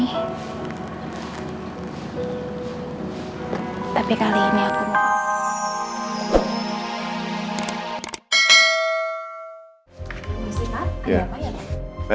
komisi pak ada apa ya pak